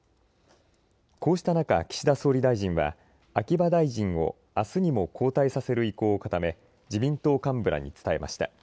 こうした中、岸田総理大臣は秋葉大臣をあすにも交代させる意向を固め自民党幹部らに伝えました。